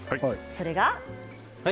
それが？